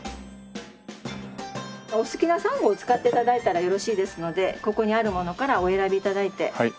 お好きなサンゴを使って頂いたらよろしいですのでここにあるものからお選び頂いて。